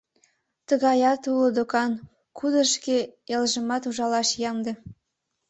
Тыгаят уло докан, кудо шке элжымат ужалаш ямде.